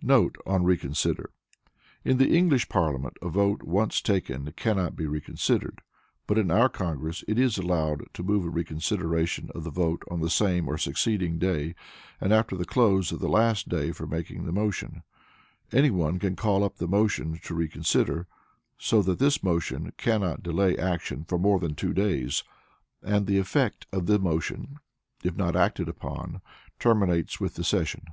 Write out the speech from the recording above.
Note On Reconsider.—In the English Parliament a vote once taken cannot be reconsidered, but in our Congress it is allowed to move a reconsideration of the vote on the same or succeeding day, and after the close of the last day for making the motion, any one can call up the motion to reconsider, so that this motion cannot delay action more than two days, and the effect of the motion, if not acted upon, terminates with the session.